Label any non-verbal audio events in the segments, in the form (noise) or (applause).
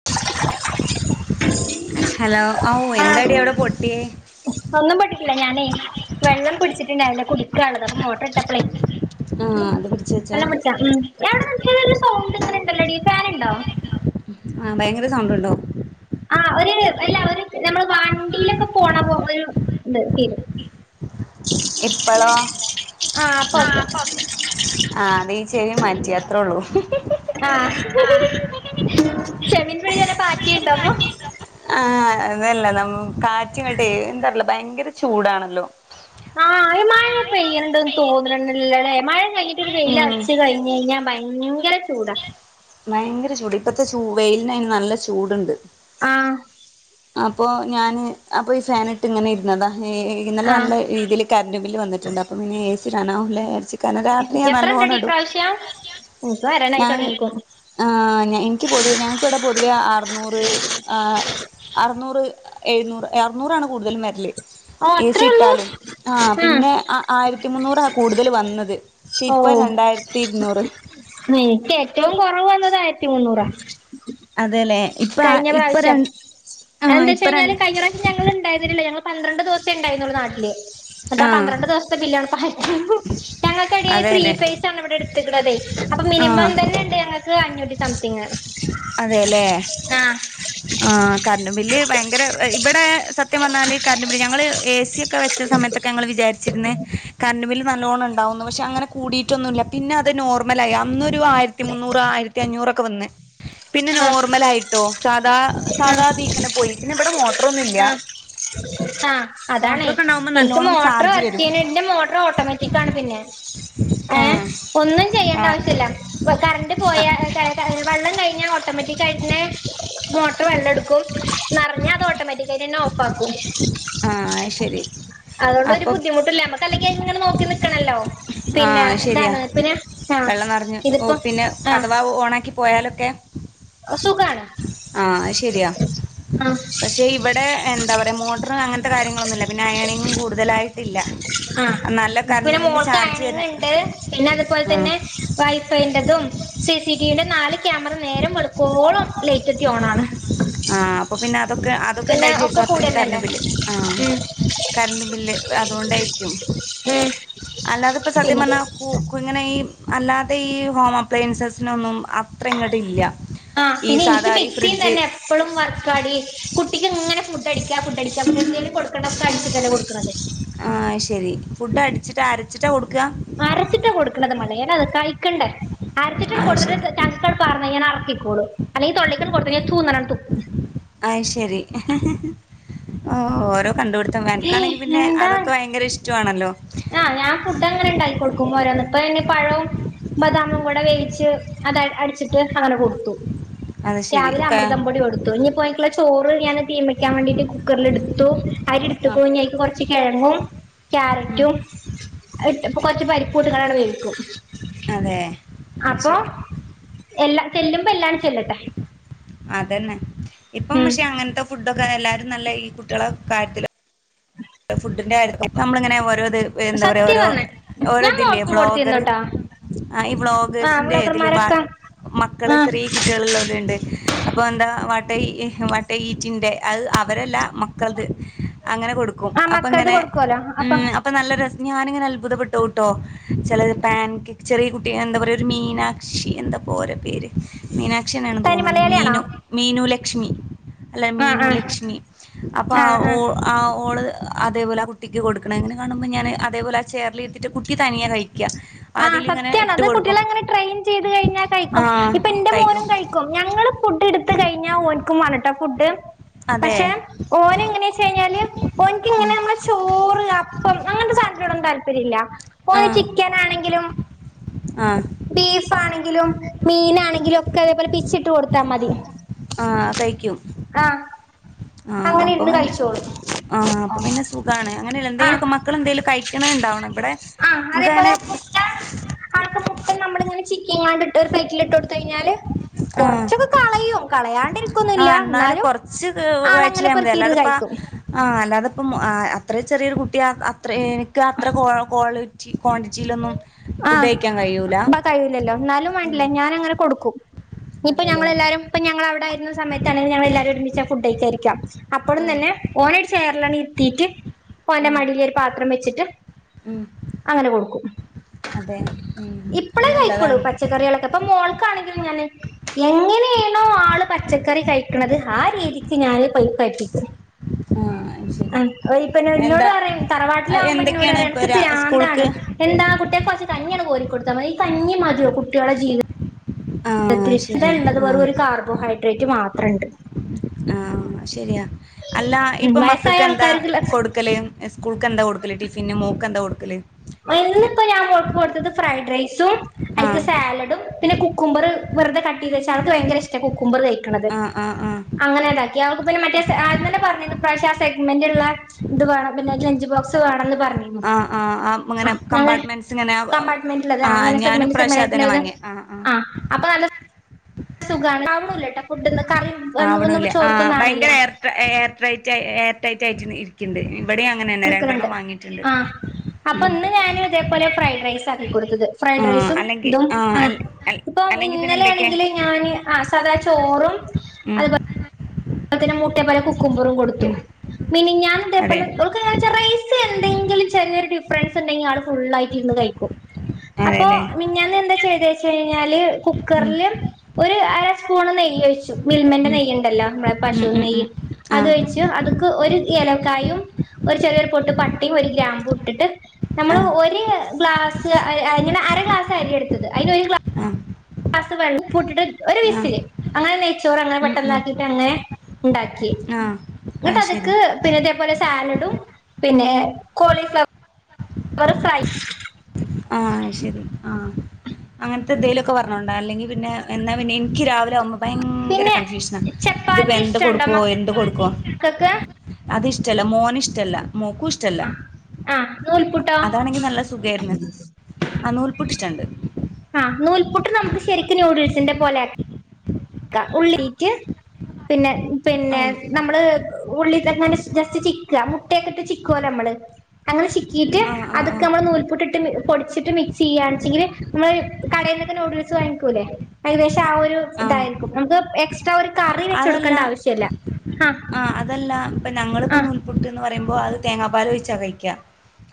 (inaudible) ആ (inaudible) ഹലോ ഔ എന്താടീ അവ്ടെ പൊട്ട്യേ ഒന്നും പൊട്ടീട്ടില്ല ഞാനേ വെള്ളം പിടിച്ചിട്ട്ണ്ടായിര്ന്നില്ല കുടിക്കാള്ളത് അപ്പൊ മോട്ടറ് ഇട്ടപ്പളേ ആഹ് അത് പിടിച്ച് വെച്ചാ വെള്ളം പിടിച്ചോ ഉം അവിടെ എന്തോന്നൊര് സൗണ്ട് ഇണ്ടല്ലോടീ ഫാൻ ഇണ്ടോ ആഹ് ഭയങ്കര സൗണ്ട്ണ്ടോ ആഹ് ഒര് അല്ല ഒര് നമ്മള് വണ്ടീലൊക്കെ പോണ പോലെ ഒര്ത് ഫീല് ഇപ്പളോ ആഹ് അപ്പൊ ഓക്കെ ആഹ് ഇപ്പം ഓക്കെ ആഹ് അത് ഈ ചെവി മാറ്റി അത്രേള്ളൂ ആഹ് ചെവീ (unintelligible) പാറ്റിണ്ടോ ഇപ്പൊ ആഹ് അതല്ല നമ്മ കാറ്റ് ഇങ്ങെട്ടേ എന്താറീലാ ഭയങ്കര ചൂടാണല്ലോ ആഹ് ഈ മഴ പെയ്യ്ന്ന്ണ്ട്ന്ന് തോന്ന്ണെന്നെ ഇല്ലല്ലോലേ മഴ കഴിഞ്ഞ്ട്ടൊര് വെയില് ഉം അറച്ച് കഴി കഴിഞ്ഞാ ഭയങ്കര ചൂടാ ഭയങ്കര ചൂട് ഇപ്പത്തെ ചൂ വെയിലിന് അയിന് നല്ല ചൂട്ണ്ട് ആഹ് അപ്പൊ ഞാന് അപ്പ ഈ ഫാന് ട്ട് ഇങ്ങനെ ഇര്ന്നതാ ഇ ഇന്നലെ ആഹ് നല്ല രീതിയില് കരണ്ട് ബില്ല് വന്നിട്ട്ണ്ട് അപ്പം പിന്നെ എ സി ഇടാനാവൂലാ വിചാരിച്ച് കാരണം രാത്രി ഞാൻ നല്ലോണം ഇടും (unintelligible) ഇൻക്ക് വരാനായി ഞാൻ തോടങ്ങിക്ക്ണു ആഹ് ഞാൻ ഇനിക്ക് പൊതുവെ ഞങ്ങക്കിവിടെ പൊതുവെ അറ്ന്നൂറ് അ അറ്ന്നൂറ് എഴുന്നൂറ് അറ്നൂറാണ് കൂടുതലും വെരല് ഓഹ് അത്രേ ഒള്ളൂ ആഹ് പിന്നെ അ ആയിരത്തി മുന്നൂറാ കൂടുതല് വന്നത് പക്ഷെ ഇപ്പൊ രണ്ടായിരത്തി ഇര്ന്നൂറ് ഏഹ് ഇന്ക്ക് ഏറ്റവും കൊറവ് വന്നത് ആയിരത്തി മുന്നൂറാ അതേല്ലേ കഴിഞ്ഞ പ്രാവശ്യം ആഹ് അതെന്താ ഇപ്പ ര വെച്ചഴിഞ്ഞാല് കഴിഞ്ഞറാ ശ്യം ഞങ്ങള് ഇണ്ടായിര്ന്നില്ലല്ലോ ഞങ്ങള് പന്ത്രണ്ട് ദിവസേ ഇണ്ടായിര്ന്നൊള്ളു നാട്ടില് ഇന്നെട്ടാ ആഹ് പന്ത്രണ്ട് ദിവസ് ത്തെ ബില്ലാണ് ആയിരത്തി മുന്നൂർ ഞങ്ങള്ക്ക് എടീ ത്രീ അതെല്ലെ ഫേസാണ് ഇവിടെ എട്ത്ത്ക്ക്ണതെ അപ്പം മിനിമം ആഹ് തന്നെ ഇണ്ട് ഞങ്ങക്ക് അഞ്ഞൂറ്റി സംതിങ് അതേല്ലേ ആഹ് ആഹ് കരണ്ട് ബില്ല് ഭയങ്കര ഇവിടെ സത്യം പറഞ്ഞാല് കരണ്ട് ബില്ല് ഞങ്ങള് ഏസിയൊക്കെ വെ ച്ച സമയത്തൊക്കെ ഞങ്ങള് വിചാരിച്ചിര്ന്ന് കറന്റ്‌ ബില്ല് നല്ലോണ്ണം ഇണ്ടാവുന്ന് പക്ഷെ അങ്ങനെ കൂടീട്ടൊന്നും ഇല്ല പിന്നെ അത് നോർമലായി അന്നൊരു ആയിരത്തി മുന്നൂറ് ആയിരത്തി അഞ്ഞൂറൊക്കെ വന്ന് പിന്നെ ആ നോർമലായിട്ടോ സാദാ ആ സാധതീക്കനെ പോയി പിന്നെ ഇവിടെ മോട്ടറൊന്നും ഇല്ല ആഹ് അതാണേ ഉണ്ടാവുമ്പോ എനിക്ക് നല്ലോണം മോട്ടറ് ചാർജ് വരും വർക്കെയ്യ്ണ് ഇന്റെ മോട്ടറ് ഓട്ടോമാറ്റിക്കാണ് പിന്നെ ഏഹ് ആഹ് ഒന്നും ചെയ്യേണ്ട ആവശ്യം ഇല്ല ആഹ് കറണ്ട് പോയാ ക വെള്ളം കഴിഞ്ഞാ ഓട്ടോമാറ്റിക് ആയിട്ടെന്നെ മോട്ടർ വെള്ളം ഇട്ക്കും നെറഞ്ഞാ അത് ഓട്ടോമാറ്റി (unintelligible) ഓഫാക്കും ആഹ് അത് ശരി അതോണ്ടൊര് അപ്പം ബുദ്ധിമുട്ടുല്ല നമ്മക്ക് അല്ലെങ്കി അത്ങ്ങനെ നോക്കി നിക്കണല്ലോ ആ പിന്നെ ശരിയാ ഇതാണ് പിന്നെ ആഹ് വെള്ളം നെറഞ്ഞ് ഇതിപ്പോ ഓഹ് പിന്നെ അഥവാ ഓണാക്കി പോയാലൊക്കെ അത് സുഖാണ് ആഹ് അത് ശരിയാ ആഹ് പക്ഷെ ഇവട് ടെ എന്താ പറയാ മോട്ടറും അങ്ങനത്തെ കാര്യങ്ങളൊന്നും ഇല്ല പിന്നെ അയണിങ്ങും കൂടുതലായിട്ടില്ല ആഹ് നല്ല കറണ്ട് ഇപ്പളും ബില്ല് മോൾക്ക് ചാർജ് അങ്ങനന്നെ തന്നെ ഇണ്ട് പിന്നെ അതുപോൽ ആ തന്നെ (unintelligible) ണ്ടതും സി സി ടി വിന്റെ നാല് ക്യാമറ നേരം വെളുക്കുവോളം ലേറ്റത്തി ഓണാണ് ആഹ് അപ്പൊ പിന്നെ അതൊക്കെ അതൊക്കെ പിന്നെ ഒക്കെ ഉണ്ടായിട്ടായിരിക്കും അത്രയും കരണ്ട് കൂടെന്നെല്ലേ ബില്ല് ആഹ് ഉം കറണ്ട് ബില്ല് അതുകൊണ്ടായിരിക്കും ഉം അല്ലാതെ ഇപ്പ സത്യം പിന്നെ പറഞ്ഞാ കു കുങ്ങനെ ഈ അല്ലാതെ ഈ ഹോം അപ്ലയൻസസിനൊന്നും അത്ര ഇങ്ങോട്ട് ഇല്ല ഈ സാദാ ഈ ഫ്രിഡ്ജ് ഇപ്പളും വർക്കാടി കുട്ടിക്ക് ഇങ്ങനെ ഫുഡ്ഡടിക്കാ ഫുഡ്ഡടിക്കാ പിന്നെന്തേലും കൊടുക്കണക്കെ അടിച്ചിട്ട കൊടുക്കണത് ആഹ് ശരി ഫുഡ് അടിച്ചിട്ടാ അരച്ചിട്ടാ കൊടുക്കുക അരച്ചിട്ടാ കൊടുക്കണത് (unintelligible) അത് കഴിക്കണ്ടേ അരച്ചിട്ട് ആഹ് ശരി കൊടുത്തിട്ട് (unintelligible) പറഞ്ഞു കഴിഞ്ഞാൽ എറക്കിക്കോളും അല്ലെങ്കി തൊള്ളക്കൂ കൊടുത്തൂന്ന തൂന്ന് പറഞ്ഞ് തുപ്പും അയ് ശരി ഓഹ് ഓരോ കണ്ടുപിത്തം ഏയ് വനക്കാണെങ്കി പിന്നെ അതൊക്കെ ഭയങ്കര ഇഷ്ടമാണല്ലോ ആഹ് ഞാൻ ഫുഡ്ങ്ങനെണ്ടാക്കി കൊടുക്കുമ്പൊ ഓരോന്ന് ഇപ്പ ഇനി പഴവും ബദാമും കൂടെ വേവിച്ച് അത് അടിച്ചിട്ട് അങ്ങനെ കൊടുത്തു അത് ശരി രാവിലെ അമൃതം പൊടി കൊടുത്തു ഇനി പോയിട്ടുള്ള ചോറ് ഞാന് തീമയ്ക്കാൻ വേണ്ടിട്ട് കുക്കറിൽ എടുത്തു ആഹ് അരിയെടുത്ത്കുണു ഇനി അയിക്ക് കുറച്ച് കിഴങ്ങും ഉം ക്യാരറ്റ് റ്റും കൊറച്ച് പരിപ്പൂട്ടുകാണ്ട് വേവിക്കും അതെ അത് അപ്പം ശരി എല്ലാ ചെല്ലുമ്പോ എല്ലാംടെ ചെല്ലട്ടെ അതന്നെ ഇപ്പം ഉം പക്ഷെ അങ്ങനത്തെ ഫുഡൊക്കെ എല്ലാരും നല്ല ഈ കുട്ടികളെ കാര്യത്തില് (inaudible) ഫുഡിന്റെ കാര്യത്തി നമ്മളിങ്ങനെ ഓരോ ഇത് എന്താ പറയാ സത്യം ഓരോ പറഞ്ഞെ ഓരോ ഞാൻ ഇതില്ലേ മോൾക്കും വ്ലോഗർ കൊടുത്തിരുന്നുട്ടോ ആഹ് ഈ ആ വ്ലോഗേഴ്സിന്റെ ഇതില് വ്ളോഗർമാരൊക്കെ മക്കള് ആ ചെറിയ കുട് ട്ടികളുള്ളോരുണ്ട് അപ്പോ എന്താ വാട്ടേ വാട്ടേ ഈറ്റിന്റെ അത് അവരല്ല മ കൾക്ക് അങ്ങനെ കൊടുക്കും ആ മക്കൾത് അപ്പങ്ങനെ കൊടുക്കുവല്ലോ അപ്പൊ ഉം അപ്പം നല്ല രസം ഞാനിങ്ങനെ അത്ഭുതപ്പെട്ടു പോവുട്ടോ ചിലത് പാൻക് ചെറിയ കുട്ടി എന്താ പറയുക ഒരു മീന ക്ഷി എന്താപ്പോഓര പേര് മീനാക്ഷിന്നാണ് തനി തോന്നണു മലയാളിയാണോ മീനു മീനു ലക്ഷ്മി അല്ല ആ മീനു ആ ലക്ഷ്മി അപ്പൊ ഓ ആ ഓള് അതേപോലെ ആ കുട്ടിക്ക് കൊടുക്കണ അങ്ങനെ കാണുമ്പോൾ ഞാൻ അതേപോലെ ചെയറില് ഇരുത്തിട്ട് കുട്ടിതനിയെ കഴിക്കും ആഹ് സത്യാണ് അത് കുട്ടികള അങ്ങനെ ട്രെയിൻ ചെയ്ത് കഴിഞ്ഞാൽ കഴിക്കും ആഹ് ഇപ്പന്റെ മോനും കഴിക്കും കഴിക് ക്കും ഞങ്ങള് ഫുഡ് എടുത്ത കഴിഞ്ഞാൽ ഓൻക്കും വേണട്ടാ ഫുഡ് അതെ പക്ഷെ ഓൻ എങ്ങനെ വെച്ച് കഴിഞ്ഞാല് ഓൻക്ക് ഇങ്ങനെ ഉം നമ്മള് ചോറ് അപ്പം അങ്ങനത്തെ സാധനത്തിനോടൊന്നും താല്പര്യം ഇല്ല ആഹ് ആഹ് ബീഫാണെങ്കിലും മീനാണെങ്കിലും ഒക്കെ അതേപോലെ പിച്ചിട്ട് കൊടുത്താ മതി ആഹ് കഴിക്കും ആഹ് ആഹ് അങ്ങനെ അപ്പം ഇരുന്ന് വല്ല കഴിച്ചോളും ആഹ് അപ്പൊ പിന്നെ സുഖാണ് അങ്ങനെ ആഹ് എന്തേലുവൊക്ക മക്കൾ എന്തെലും കഴിക്കണ ഉണ്ടാവണം ഇവിടെ നമുക്ക് അങ്ങനെ ആൾക്ക് മുട്ട നമ്മളിങ്ങനെ ചിക്കി ഇങ്ങാണ്ട് ഇട്ട് ഒരു പ്ലേറ്റിൽ ഇട്ട് കൊടുത്ത് കഴിഞ്ഞാല് ആഹ് കൊറച്ചൊക്കെ കളയും കളയാണ്ടിരിക്കൊന്നുല്ല എന്നാലും ഇച്ച് വയറ്റി ആളങ്ങനെ (unintelligible) പെറുക്കിയിരുന്ന് അല്ലാതിപ്പ കഴിക്കും ആ അല്ലാതെപ്പം അത്ര ചെറിയൊരു കുട്ടി അത്ര എനിക്ക് അത്ര കാൾ ചീ ക്വാണ്ടിറ്റിയിലൊന്നും ആ ഫുഡ് കഴിക്കാൻ കഴിയൂല കഴിവില്ലല്ലോ എന്നാലും ഉം വേണ്ടില്ലേ ഞാനങ്ങനെ കൊടുക്കും ഇപ്പ അതെല്ലേ ഞങ്ങളെല്ലാരും ഇപ്പ ഞങ്ങ അവിടെ ആരുന്ന സയത്ത ണെങ്കിൽഞങ്ങ എല്ലരും ഒരുമിച്ച ഫുഡ് കയികാനിരിക്കാ അപ്പോഴും ആഹ് തന്നെ ഓന ഒരു ചേയറിലങ്ങ് ഇത്തിട്ട്ഓന്റെ ആഹ് മടിയില് ഒരു പാത്രം വെച്ചിട്ട് ഉം അങ്ങനെ കൊടുക്കും അതെ ഉ അത് ഇപ്പളേ കഴിക്കുള്ളൂ നല്ലതാണ് പച്ചക്കറികളൊക്കെ അപ്പൊ മോൾക്കാണെങ്കിലും ഞാൻ എങ്ങനെയണോ പച്ചക്കറി കഴിക്കുന്നത് ആ രീതിക്ക് ഞാന് കഴിപ്പിക്കും ആഹ് ആ ശരി പിന്നെ എന്നോട് എന്താ പറയും തറവാട്ടിലാകുമ്പോ ഇന്നോട് എന്തൊക്കെയാണ് പറയും ഇപ്പൊ എനക്ക് പ്രാന്താണ് സ്കൂൾക്ക് എന്താണ് കുട്ടികൾക്കു കുറച്ച് കഞ്ഞിയാണ് കോരി കൊടുത്താൽതി ഈ കഞ്ഞി മതിയോ കുട്ടിയുടെ ജീവിം ആഹ് എന്തേ ശരിയാ ഉള്ളത് വെറ ആഹ് ഒരു കാർബോഹൈഡ്രേറ്റ് മാത്രംണ്ട് ആ ശരിയാ അല്ല ഉം ഇപ്പൊ മക്കക്ക് വയസ്സായ എന്താ ആൾക്കാർക്കുള്ള കൊടു കൊടുക്കല് സ്കൂൾക്ക് എന്താ കൊടുക്കല് ടിഫിന് മോക്ക് എന്താ കൊടുക്കല് ഇന്നിപ്പോ ഞാൻ കൊടുത്തത് ഫ്രൈഡ് റൈസും അഐക്ക് ആഹ് സാലഡും പിന്നെ കു കുക്കുമമ്പറ് വെറുതെ കട്ട് ചെയ്ത് വെച്ചാ ആൾക്ക് ഭയങ്കര ഇഷ്ട കുക്കുമമ്പറ് കഴിക്കണത് ആഹ് ആഹ് ആഹ് അങ്ങനെ ഇതാക്കി അവൾക്ക് പിന്നെ മറ്റേ ആദ്യം തന്നെ പറഞ്ഞത് പ്രാവശ്യ ആ സെഗ്മെന്റ് ഉള്ള ഇത് വേണം പിന്നെ ലെഞ്ച് ബോക്സ് വേണംന്ന് പർഞ്ഞിന്നു ആഹ് അം ഇങ്ങനെ കമ്പാർട്ട്മെന്റ്സ്ങ്ങനെ കമ്പാർട്ട്മെന്റിലത് ആഹ് അങ്ങനെ ഞാനും സെഗ്മെന്റ് ഇപ്രാശ്യം അതന്നെ സെഗ്മെന്റായിട്ടുള്ളത് വാങ്ങിയെ ആഹ് ആഹ്‌ അപ്പൊ നല്ല സുഖാണ് ആവുണൂല്ലട്ടോ ഫുഡ്ന്ന് കറിം വൊന്നും ചോറ്ക്കൊന്നും ആവ്ണില്ല എയർട്രെറ്റായി എയർടൈറ്റായിട്ട് ഇരിക്കിണ്ട് ഇവടെം അങ്ങനന്നെ രണ്ടെണ്ണം വാങ്ങീട്ടിണ്ട് അപ്പ ഇന്ന് ഞാന് ഇതേപോലെ ഫ്രൈഡ് റൈസാക്കി കൊടുത്തത് ഫ്രൈഡ് ആഹ് റൈസും അല്ലെങ്കി ഇതും അൽ ആഹ് അൽ ഇപ്പം അല്ലെങ്കി പിന്നെ എന്തൊക്കെ ഇന്നലെണെങ്കില് ഞാന് അഹ് സാദാ ചോറും ഉം അ മുട്ടേ പോലെ കുക്കുംമ്പറും കൊടുത്തു ഉം അതെ മിനിഞ്ഞാന്നിതേപോലെ ഓൾക്കിങ്ങ റൈസ് എന്തെങ്കിലും ചെറിയെരു ഡിഫ്രൻസ്ണ്ടെങ്കിൽ ആള് ഫുള്ളായിട്ട് ഇര്ന്ന് കഴിക്കും അപ്പൊ അതെല്ലേ മിഞ്ഞാന്നെന്താ ചെയ്തേച്ചയ്ഞ്ഞാല് ഉം കുക്കർല് ഒരു അര സ്പൂണ് നെയ്യൊയ്ച്ചു മിൽമന്റെ ഉം നെയ്യ്ണ്ടല്ലോ നമ്മുടെ ഉം പശും ഉം നെയ്യ് ഉം ആ അതൊയ് അത്ക്ക് ഒരു ഏലക്കായും ഒരു ചെറിയൊരു പൊട്ട് പട്ടിം ഒരു ഗ്രാമ്പൂട്ടിട്ട് നമ്മൾ ആ ഒരു ഗ്ലാസ്ങ്ങനെ അര ഗ്ലാസാ അരി എടുത്തത് അയ്നൊരു ഗ്ലാ അഹ് രു ഗ്ലാസ് വെൾ പൂട്ടിട്ട് ഒരു വിസ്സില് അങ്ങനെ നെയ്ച്ചോറങ്ങനെ ഉം ഉം പെട്ടന്നാക്കിട്ടങ്ങനെ ഇണ്ടാക്കി ആ ങ്ങട്ട് അത് ശരി അത്ക്ക് പിന്നെതേപോലെ സാലഡും പിന്നെ കോളിഫ്ലവ് ലിവറ്ഫ്രെ ആഹ് അയ്ശെരി ആഹ് അങ്ങൻത്തെ ന്തേലൊക്കെ പർഞ്ഞോണ്ട അല്ലെങ്കി പിന്നെ എന്നാ പിന്നെ എനിക്ക്‌യി രാവിലാവുമ്പോ ഭയങ്കര പിന്നെ കൺഫ്യൂഷ്നാ ഇത്പ്പെന്ത കൊടുക്കുവോ എന്ത കൊടുക്കുവോ തക്കെ അത് ഇഷ്ടല്ല മോന് ഇഷ്ടല്ല മോക്കൂഷ്ടല്ല ആഹ് നൂൽപുട്ടോ അതാണെങ്കി നല്ല സുഖേര്ന്ന് അഹ് നൂൽപുട്ടിഷ്ട്ടണ്ട് അഹ് നൂൽപുട്ട് നമുക്ക് ശെരിക്ക് യൂഡിൽസിന്റെ പോലാ ക്ക ഉള്ളീട്ട് പിന്നെ ആ പിന്നെ നമ്മള് ഉള്ളിങ്ങനെ ജസ്റ്റ് ചിക്ക മുട്ടേക്കെട്ട് ചിക്കോല്ലമ്മള് അങ്ങനെ ചി ക്കീറ്റ് ആ ആ ആ അതൊക്കമ്മളെ നൂൽപുട്ടിട്ട് പൊട്ച്ചിട്ട് മിക്സെയ്യാൺച്ചെങ്കില് നമ്മള് കടേന്നൊക്കെ നൂഡിൽസ് വാങ്ങിക്കൂല്ലേ ഏകദേശം ആഹ് ഒരു ആ തായ്രിക്കും നമുക്ക് എക്സ് ട്ര ഒരുകറി അതല്ല വെച്ചൊട്ക്കണ്ട ആവശ്യല്ല അഹ് അഹ് പുട്ടീന്ന് പറയുമ്പോ അത് തേങ്ങാപ്പാലൊയിച്ചാ കഴിക്ക്യാ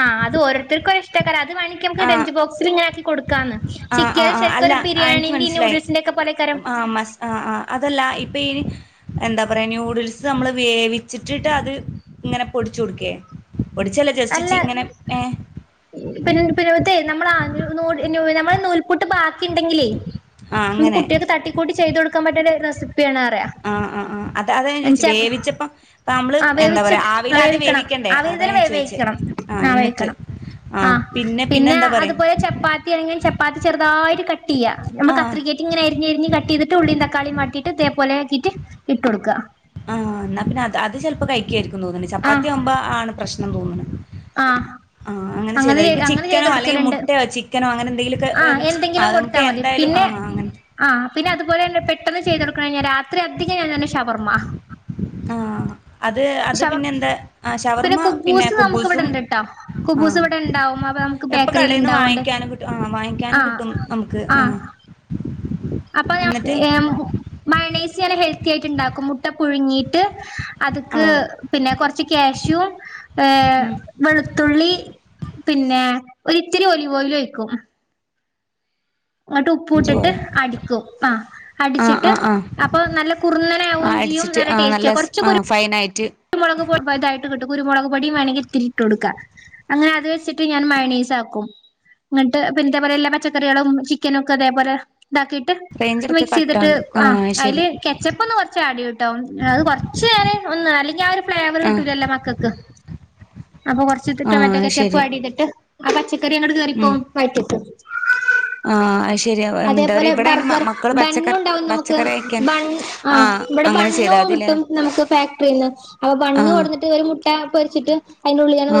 ആഹ് അത് ഓരോര്ത്തര്ക്കൊരിഷ്ട്ടേക്കാരം അത് വേണക്കി നമ്ക്ക് ആഹ് ലഞ്ച് ബോക്സിലിങ്ങനാക്കി കൊടുക്കാന്ന് ആഹ് ആഹ് ചിക്ക്യാല് ആഹ് അല്ല ശെര്ക്കൊരു ആഹ് എനിക്ക് ബിരിയാണീന്റിം മനസ്സിലായി നൂഡിൽസിന്റെക്കെ പോലെക്കാരം ആഹ് മസാ ആഹ് ആഹ് അതല്ല ഇപ്പയി എന്താ പർയാ ന്യൂഡിൽസ് അമ്മള് വേവിച്ചിട്ടിട്ട് അത് ഇങ്ങനെ പൊടിച്ചൊട്ക്കേ? പൊടിച്ചല്ല ജസ്റ്റ് ചി നല്ല ങ്ങനെ ഏഹ് പിന്നെ പി ഇതെ നമ്മള ന നമ്മളെനൂൽ നൂൽപുട്ട് ബാക്കിണ്ടെങ്കിലേ ആഹ് നമക്ക് അങ്ങനെ കുട്ട്യാക്ക് തട്ടിക്കൂട്ടി ചെയ്തൊട്ക്കാം പറ്റിയരു റെസിപ്പ്യാണാറ്യ ആഹ് ആഹ് ആഹ് അത് അതാ ഞാചോയ്ച്ചെ വേവിച്ചപ്പം ഇപ്പമ്മള് ആ എന്താ പറയാ വേവിച്ചിട്ട് ആ ആവീലാദ്യം വേവിക്കണം വേവിക്കണ്ടേ ആവിയിൽ അതാ ഞാചോയ്ച്ചെ വേവിക്കണം ആഹ് ആ എന്നിട്ട് വേവിക്കണം ആ അഹ് പി പിന്നെ അതുപോലെ ചപ്പാത്തി അണെങ്കിലും ചപ്പാത്തി ചെറുതായിട്ട് കട്ടെയ്യ ഞമ്മള് ആഹ് കത്രികേ കേറ്റിങ്ങെനെ അര്ഞ്ഞര്ഞ്ഞ് കട്ടെയ്തിട്ട് ഉള്ളിം തക്കാളിയും വാട്ടീട്ട് തേപോലെ ആക്കിട്ട് ഇട്ടൊട്ക്ക. ആഹ് ന്നാ പിന്നെ അത് അത് ചെൽപ്പോ കഴിക്ക്‌യാരിക്കും തോന്ന്ണ് ചപ്പാത്തി ആവുമ്പോ ആണ് പ്രശ്നം തോന്ന്ണ്. ആഹ് ആഹ് അങ്ങനെ ചെയ്താതി ഇപ്പൊ ചിക്കനോ അല്ലെങ്കി മുട്ടയോ ചിക്കനോ അങ്ങനെ എന്തെങ്കിലൊക്കെ ആഹ് എന്തെങ്കിലും അഹ് കൊടുത്താ ക്കെ മതി എന്തായാലും പിന്നെ ആഹ് അങ്ങൻ ആഹ് പിന്നെ അതുപോലെന്നെ പെട്ടന്ന് ചെയ്തൊട്ക്ക്ണെഞ്ഞാ രാത്രി അധികം ഞാൻതന്നെ ശവർമ്മ ആഹ് അത് അത് ഷവർ പിന്നെന്താ അഹ് ഷവർമ്മ പിന്നെ കുബൂസ് നമുക്ക് ഇവിടെ കുബ്ബൂസും ഇണ്ട്ട്ടോ കുബൂസ് ആഹ് ഇവിടെ ഇണ്ടാവും അപ്പൊ നമുക്ക് എപ്പൊ ബേക്കറിൽ കടേന്ന് ഇണ്ടാവോണ്ട് വാങ്ങിക്കാനും കിട്ടും ആഹ് വാങ്ങിക്കാനും ആഹ് കിട്ടും നമുക്ക് ആഹ്. അപ്പൊ ഞാ എന്നിട്ട് ഏഹ് മയൊണൈസി ഞാൻ ഹെൽത്തി ആയിട്ട് ഇണ്ടാക്കും മുട്ട പുഴുങ്ങിയിട്ട്. അത്ക്ക് ആഹ് പിന്നെ കൊർച്ച് കാഷ്യൂ ഏഹ്. ഉം വെളുത്തുള്ളി പിന്നെ ഒരിത്തിരി ഒലിവോയിലും ഒയ്ക്കും. ഇങ്ങട്ട് ഉപ്പു ഇട്ടിട്ട് അടിക്കും ആഹ് ആഹ് അടിച്ചിട്ട്. ആഹ് ആഹ് അപ്പൊ നല്ല കുറുന്നനെ ആവും ചെയ്യും നല്ല ടേസ്റ്റാ കൊർച്ച് കുരു ഫൈനായിറ്റ്. കുരുമൊളക് പൊ ഇതായിട്ട് കിട്ടും കുരുമൊളക് പൊടിം വേണങ്കി ഇത്തിരി ഇട്ടൊടുക്കാം. അങ്ങനെ അത് വെച്ചിട്ട് ഞാൻ മഴെണ്സാക്കും. ഇങ്ങട്ട് പിൻ ഇതേപോലെള്ള പച്ചക്കറികളും ചിക്കനുംക്കെ ഇതേപോലെ ഇതാക്കി (unintelligible) മിക്സെയ്തിട്ട് കട്ടാവ്ണ്ട് ആ ആഹ് അയ്ശരി അയ്ല് കെച്ചപ്പ് ഒന്ന് കൊർച്ച് ആഡെയ്യുട്ടൊ ഒൻ അത് കൊർച്ച് നേരെ ഒന്ന് ആലി. ഞ്ഞാ ഒരു ഫ്ലേവർ ആഹ് കിട്ടൂലല്ലോ മക്കക്ക്. അപ്പൊ കൊർച്ച് ഇത്ട്ട ആഹ് മറ്റക്കെ കചെപ്പു അയ്ശരി ആഡെയ്തിട്ട് ആ പച്ചക്കറി അങ്ങട് ഉം കേറിപ്പോവും വയറ്റിട്ട്. ആഹ് അയ് ശെ. അതേപോലെ ബർഗർ ബന്നു ഉണ്ടാവും നമുക്ക് പച്ചക്കറി കഴിക്കാൻ ബണ് ആഹ്. ഇവ്ടെ അങ്ങനെ ചെയ്താ ബണ്ണും മതില്ലേ കിട്ടും നമുക്ക്. ഫാക്ടറീന്ന് അപ്പൊ ബണ്ണ് ആഹ് കൊട്ന്നിട്ട് ഒരു മുട്ട പൊരിച്ചിട്ട്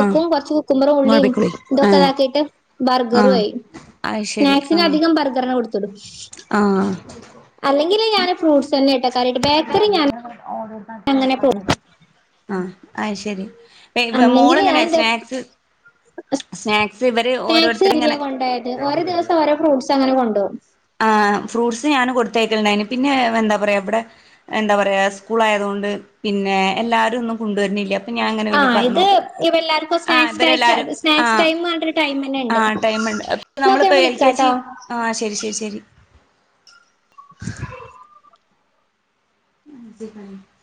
ആഹ് കൊർച്ച്. കുക്കുമ്പർ ഇങ്ങള് ഉള്ളിം പൊയ്ക്കോളി ഇതൊക്കെ ആഹ് ഇതാക്കിയിട്ട് ബർഗറു ആഹ് ആയി അത് ശരി ആഹ് സ്നാക്സിനധികം ബർ ഗറന്നെ കൊട്ത്തത് ആഹ് അല്ലെങ്കിൽ ഞാൻ ഫ്രൂട്ട്സെന്നേട്ടാ കാര്യായിട്ട് ബേക്കറി ഞാന്. (unintelligible) ഓളുണ്ടാക്കി അങ്ങനെ പോണ്. അഹ് അയ് ശരി ഏ മോള് അന്നെങ്കിൽ ഞാൻ എങ്ങനെയാ സ്നാക്സ് സ്നാക് സ്നാക്സ് കഴിക്കാൻ കൊണ്ടോയാല് ഓരോ ദിവസം ഓരോ ഫ്രൂട്ട്സ് അങ്ങനെ കൊണ്ടോവും. ആഹ് ഫ്രൂട്ട്സ് ഞാനും കൊടുത്തയക്കൽ ഉണ്ടായേനി പിന്നെ എന്താ പറിയാ ഇവിടെ - എന്താ പറയാ സ്കൂൾ ആയതുകൊണ്ട് പിന്നെ എല്ലാരും ഒന്നും കൊണ്ടുവരുന്നില്ല. അപ്പ പിന്നെ ഞാൻ അങ്ങനെ ആ പിന്നെ ഇത് പറഞ്ഞു ഇവ എല്ലാവർക്കും ആഹ് സ്നാക്സ് ടൈം ഇവരെല്ലാരും സ്നാക്സ് ആഹ് ടൈം പറഞ്ഞിട്ടൊരു ടൈം തന്നെ ആ ഉണ്ട് ടൈമ് ഇണ്ട്. ന്നാ ഓക്കെ ഞാൻ നമ്മളിപ്പോ എൽ കെ ജി വിളിക്കാട്ടോ ആഹ് ശരി ശരി ശരി. (unintelligible)